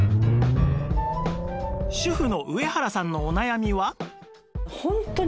主婦の上原さんのお悩みは？